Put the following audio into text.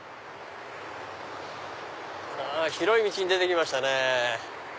広い道に出てきましたね。